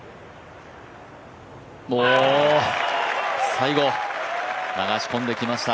最後、流し込んできました。